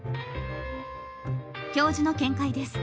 教授の見解です。